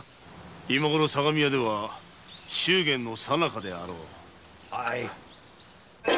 今ごろ相模屋では祝言の最中であろう。